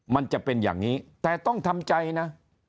มันจะเป็นอย่างนี้แต่ต้องทำใจนะ